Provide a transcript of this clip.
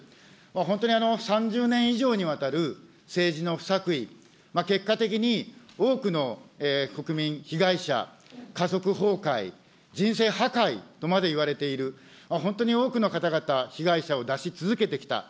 本当に３０年以上にわたる政治の不作為、結果的に多くの国民、被害者、家族崩壊、人生破壊とまでいわれている、本当に多くの方々、被害者を出し続けてきた。